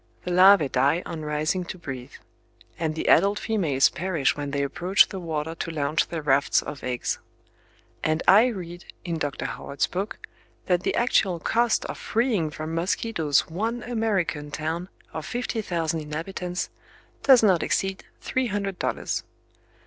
The larvae die on rising to breathe; and the adult females perish when they approach the water to launch their rafts of eggs. And I read, in Dr. Howard's book, that the actual cost of freeing from mosquitoes one American town of fifty thousand inhabitants, does not exceed three hundred dollars!...